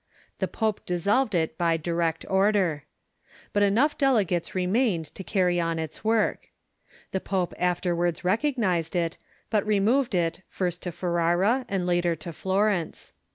The pope dissolved it by direct order. But enough delegates remained to carry on its work. The pope afterwards recognized it, but removed it, first to Ferrara and later to Florence.